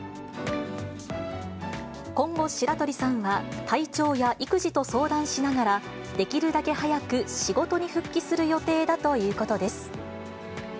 今後、白鳥さんは体調や育児と相談しながら、できるだけ早く仕事に復帰する予定だということです。